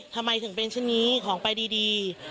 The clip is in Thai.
ทำไมถึงเป็นเช่นนี้ของไปดี